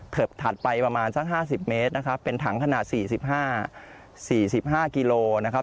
ถัดไปประมาณสัก๕๐เมตรนะครับเป็นถังขนาด๔๕๔๕กิโลนะครับ